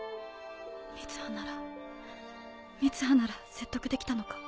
三葉なら三葉なら説得できたのか？